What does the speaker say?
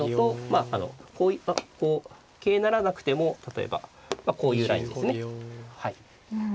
あのこう桂成らなくても例えばこういうラインですね。